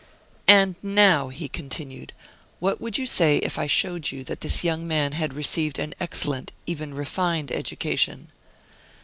"And now," he continued, "what would you say if I showed you that this young man had received an excellent, even refined, education?"